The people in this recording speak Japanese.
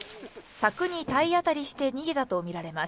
柵に体当たりして逃げたとみられます。